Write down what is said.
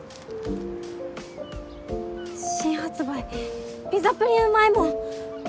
新発売「ピザプリンウマいもん」！